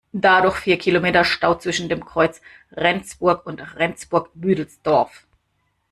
Dadurch vier Kilometer Stau zwischen dem Kreuz Rendsburg und Rendsburg-Büdelsdorf.